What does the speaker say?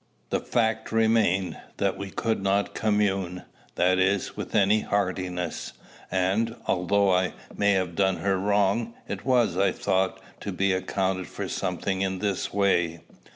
The fact remained, that we could not commune, that is, with any heartiness; and, although I may have done her wrong, it was, I thought, to be accounted for something in this way.